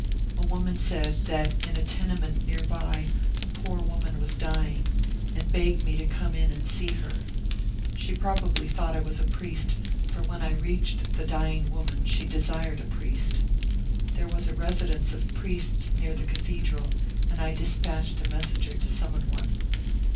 A woman said that in a tenement near by a poor woman was dying, and begged me to come in and see her. She probably thought I was a priest, for when I reached the dying woman she desired a priest. There was a residence of priests near the cathedral, and I despatched a messenger to summon one.